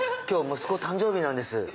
今日息子誕生日なんです。